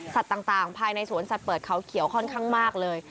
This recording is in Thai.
ต่างภายในสวนสัตว์เปิดเขาเขียวค่อนข้างมากเลย